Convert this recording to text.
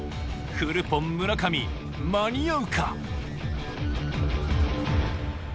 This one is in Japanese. フルポン・村上間に合うか？